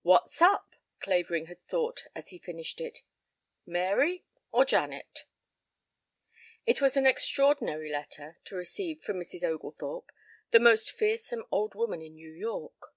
"What's up?" Clavering had thought as he finished it. "Mary or Janet?" It was an extraordinary letter to receive from Mrs. Oglethorpe, the most fearsome old woman in New York.